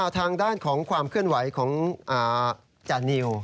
ทางด้านของความเคลื่อนไหวของจานิว